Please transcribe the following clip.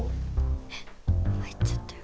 え入っちゃったよ。